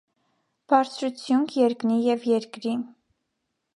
Բարձրութիւնք երկնի և երկրի։